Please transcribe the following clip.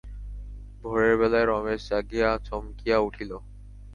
ভোরের বেলায় রমেশ জাগিয়া চমকিয়া উঠিল।